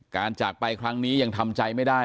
จากไปครั้งนี้ยังทำใจไม่ได้